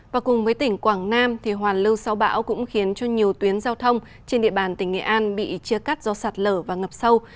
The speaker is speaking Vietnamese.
và cùng với tỉnh quảng nam hoàn lưu sau bão cũng khiến cho nhiều tuyến giao thông trên địa bàn tỉnh nghệ an bị chia cắt do sạt lở và ngập sâu